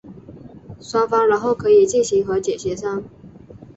双方然后可以进行和解协商。